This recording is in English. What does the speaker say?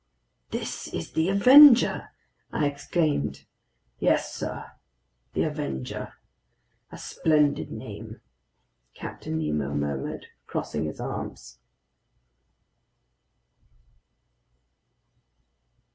'" "This is the Avenger!" I exclaimed. "Yes, sir! The Avenger! A splendid name!" Captain Nemo murmured, crossing his arms.